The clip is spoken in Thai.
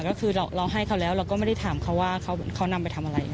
ก็คือเราให้เขาแล้วเราก็ไม่ได้ถามเขาว่าเขานำไปทำอะไร